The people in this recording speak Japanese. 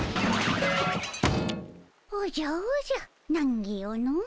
おじゃおじゃなんぎよの。